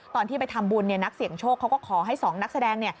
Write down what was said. ตอนที่ไปทำบุญนักเสียงโชคเขาก็ขอให้๒นักแสดง